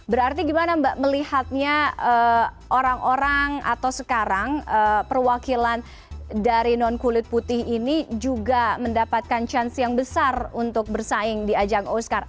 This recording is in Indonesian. berarti gimana mbak melihatnya orang orang atau sekarang perwakilan dari non kulit putih ini juga mendapatkan chance yang besar untuk bersaing di ajang oscar